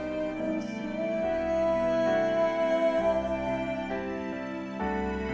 untuk nusantara bangsa